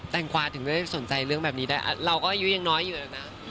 แต่งควาแหล่งด้อยได้สนใจเรื่องแบบนี้เราก็อายุยังน้อยอยู่แหละนะ